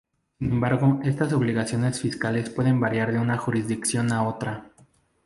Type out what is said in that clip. Sin embargo, estas obligaciones fiscales pueden variar de una jurisdicción a otra.